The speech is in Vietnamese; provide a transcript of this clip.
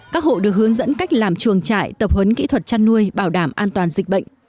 các hộ được hướng dẫn cách làm chuồng trại tập hấn kỹ thuật chăn nuôi bảo đảm an toàn dịch bệnh